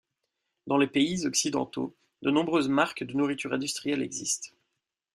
Dans les pays occidentaux, de nombreuses marques de nourriture industrielles existent.